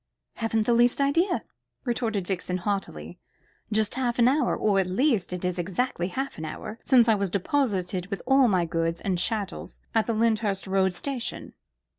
"Haven't the least idea," retorted Vixen haughtily. "Just half an hour or, at least it is exactly half an hour since I was deposited with all my goods and chattels at the Lyndhurst Road Station."